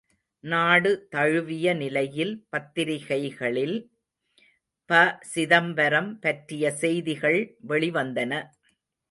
நாடு தழுவிய நிலையில் பத்திரிகைகளில் ப.சிதம்பரம் பற்றிய செய்திகள் வெளிவந்தன.